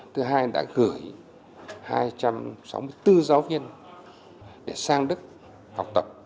thứ hai đã gửi hai trăm sáu mươi bốn giáo viên để sang đức học tập